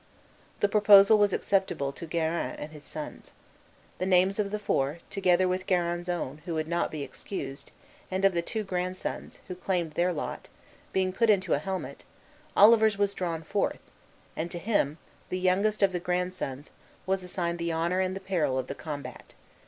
The proposal was acceptable to Guerin and his sons. The names of the four, together with Guerin's own, who would not be excused, and of the two grandsons, who claimed their lot, being put into a helmet, Oliver's was drawn forth, and to him, the youngest of the grandsons, was assigned the honor and the peril of the combat.